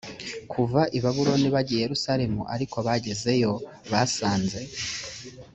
kuva i babuloni bajya i yerusalemu ariko bagezeyo basanze